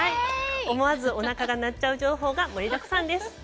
思わずおなかが鳴っちゃう情報が盛りだくさんです。